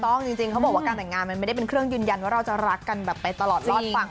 จริงเขาบอกว่าการแต่งงานมันไม่ได้เป็นเครื่องยืนยันว่าเราจะรักกันแบบไปตลอดรอดฝั่ง